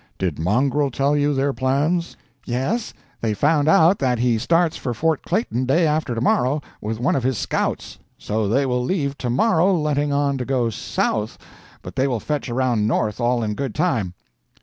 Did Mongrel tell you their plans?" "Yes. They have found out that he starts for Fort Clayton day after to morrow, with one of his scouts; so they will leave to morrow, letting on to go south, but they will fetch around north all in good time."